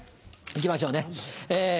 行きましょうね。